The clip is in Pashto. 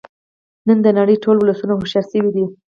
نن د نړۍ ټول ولسونه هوښیار شوی دی